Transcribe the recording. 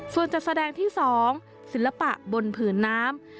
ส่วนจัดแสดงที่๒ศิลปะบนผืนน้ำ